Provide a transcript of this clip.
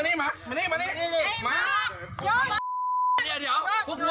ตีมือก็เด็กตรงนี้